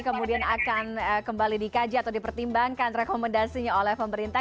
kemudian akan kembali dikaji atau dipertimbangkan rekomendasinya oleh pemerintah